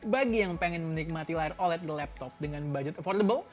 bagi yang pengen menikmati layar oled di laptop dengan budget affordable